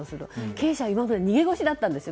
経営者は今まで逃げ腰だったんです。